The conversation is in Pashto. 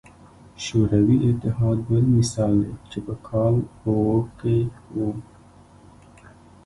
شوروي اتحاد بل مثال دی چې په کال او کې وو.